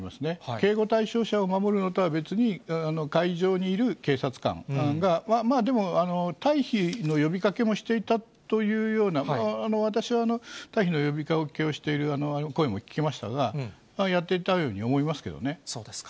警護対象者を守るのとは別に、会場にいる警察官が、まあでも、退避の呼びかけもしていたというような、私は退避の呼びかけをしている声も聞きましたが、やっていたようそうですか。